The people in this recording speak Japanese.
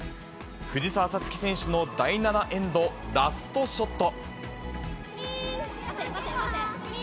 藤澤五月選手の第７エンドラストショット。